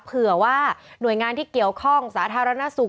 เผื่อว่าหน่วยงานที่เกี่ยวข้องสาธารณสุข